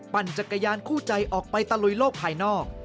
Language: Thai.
จักรยานคู่ใจออกไปตะลุยโลกภายนอก